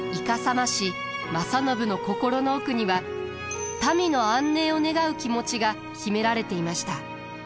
師正信の心の奥には民の安寧を願う気持ちが秘められていました。